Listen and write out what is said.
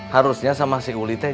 harusnya sama si uli teh